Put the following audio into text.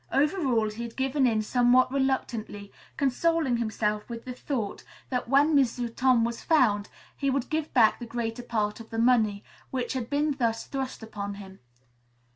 Overruled, he had given in somewhat reluctantly, consoling himself with the thought that when M'sieu' Tom was found he would give back the greater part of the money which had been thus thrust upon him.